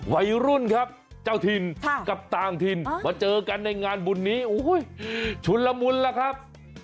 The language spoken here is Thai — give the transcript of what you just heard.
วัยรุ่นครับเจ้าถิ่นกับต่างถิ่นมาเจอกันในงานบุญนี้ชุนละมุนล่ะครับ